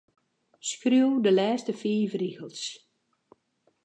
Skriuw de lêste fiif rigels.